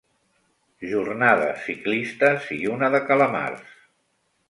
Jornades ciclistes i una de calamars.